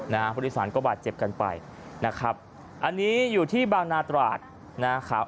ผู้โดยสารก็บาดเจ็บกันไปนะครับอันนี้อยู่ที่บางนาตราดนะครับ